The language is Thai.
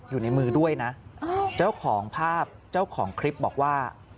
อยู่ในมือด้วยนะเจ้าของภาพเจ้าของคลิปบอกว่า